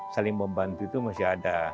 saling membantu itu masih ada